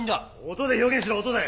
音で表現しろ音で！